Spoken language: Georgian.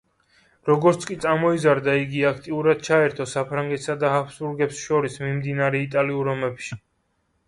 როგორც კი წამოიზარდა, იგი აქტიურად ჩაერთო საფრანგეთსა და ჰაბსბურგებს შორის მიმდინარე იტალიურ ომებში.